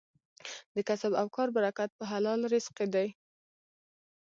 د کسب او کار برکت په حلال رزق کې دی.